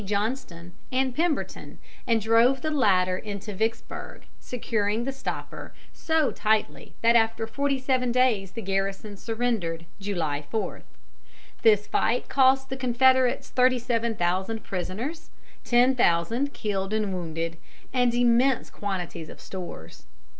Johnston and Pemberton, and drove the latter into Vicksburg, securing the stopper so tightly that after forty seven days the garrison surrendered, July 4. This fight cost the Confederates thirty seven thousand prisoners, ten thousand killed and wounded, and immense quantities of stores.